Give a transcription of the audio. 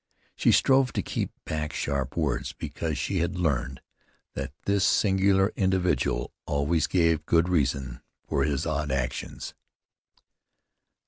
She strove to keep back sharp words, because she had learned that this singular individual always gave good reason for his odd actions.